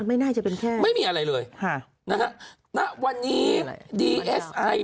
ไม่น่าจะเป็นแค่ไม่มีอะไรเลยค่ะนะฮะณวันนี้ดีเอสไอ